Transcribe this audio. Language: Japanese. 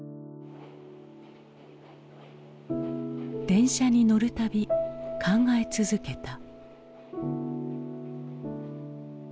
電車に乗る度考え続けた。